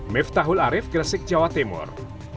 miftahul arief gresik jawa timur